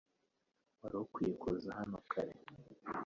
Wari ukwiye kuza hano kare .